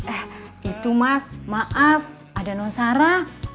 eh itu mas maaf ada non sara